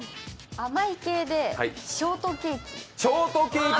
甘い系でショートケーキ？